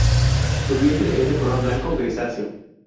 Su vientre es de color blanco grisáceo.